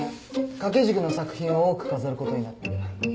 掛け軸の作品を多く飾ることになってる。